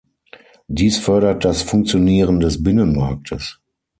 Dies fördert das Funktionieren des Binnenmarktes.